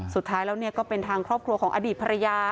สุดท้ายแล้วก็เป็นทางครอบครัวของอดีตภรรยา